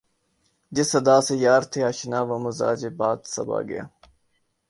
جس ادا سے یار تھے آشنا وہ مزاج باد صبا گیا